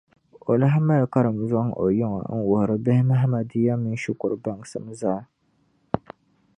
O lahi mali karimzɔŋ o yiŋa n-wuhiri bihi Mahamadiya mini shikuru baŋsim zaa.